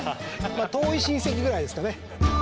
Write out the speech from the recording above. まあ遠い親戚ぐらいですかね。